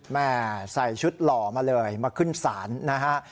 แม่ใส่ชุดหล่อมาเลยมาขึ้นศาลนะฮะ